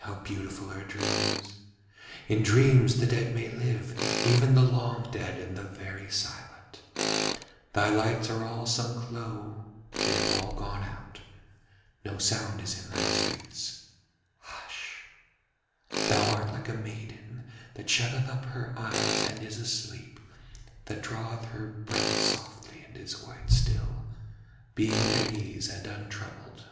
How beautiful are dreams! In dreams the dead may live, even the long dead and the very silent. Thy lights are all sunk low, they have all gone out, no sound is in thy streets. Hush! Thou art like a maiden that shutteth up her eyes and is asleep, that draweth her breath softly and is quite still, being at ease and untroubled.